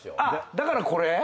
だからこれ？